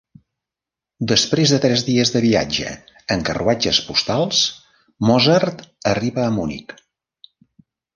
Després de tres dies de viatge en carruatges postals, Mozart arriba a Munic.